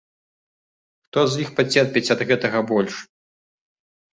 Хто з іх пацерпіць ад гэтага больш?